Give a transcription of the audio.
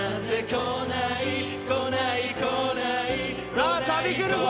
さあサビくるぞ！